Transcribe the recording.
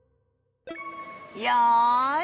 よい。